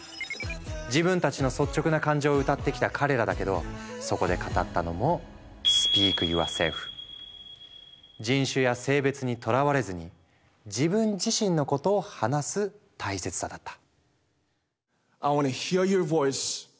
自分たちの率直な感情を歌ってきた彼らだけどそこで語ったのも人種や性別にとらわれずに「自分自身のことを話す」大切さだった。